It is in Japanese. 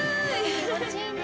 気持ちいいね。